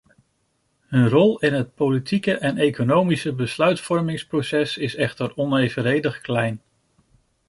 Hun rol in het politieke en economische besluitvormingsproces is echter onevenredig klein.